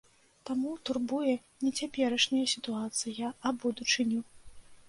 Таму турбуе не цяперашняя сітуацыя, а будучыню.